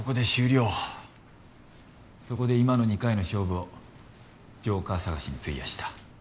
そこで今の２回の勝負をジョーカー探しに費やした。